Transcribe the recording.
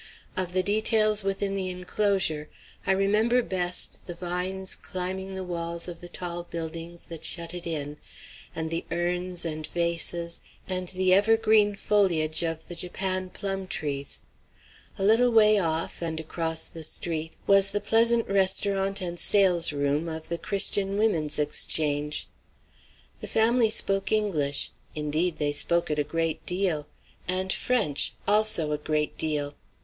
Of the details within the enclosure, I remember best the vines climbing the walls of the tall buildings that shut it in, and the urns and vases, and the evergreen foliage of the Japan plum trees. A little way off, and across the street, was the pleasant restaurant and salesroom of the Christian Women's Exchange. The family spoke English. Indeed, they spoke it a great deal; and French also a great deal.